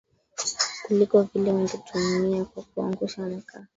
kuliko vile ungeutumia kwa kuangusha makaa